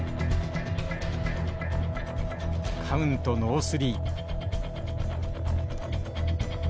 カウントノースリー。